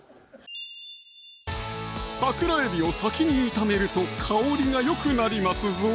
桜えびを先に炒めると香りがよくなりますぞ